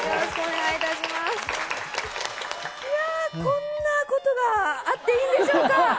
いやー、こんなことがあっていいんでしょうか。